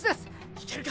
いけるか！